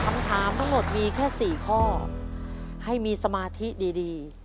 คำถามทั้งหมดมีแค่๔ข้อให้มีสมาธิดี